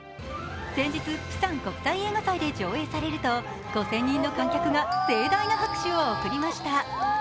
先日、釜山国際映画祭で上映されると５０００人の観客が盛大な拍手を送りました。